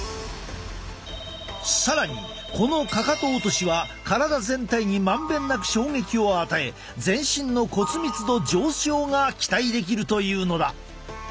更にこのかかと落としは体全体に満遍なく衝撃を与え全身の骨密度上昇が期待できるというのだ。